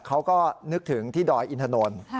เขาก็นึกถึงที่ดอยอินทนนท์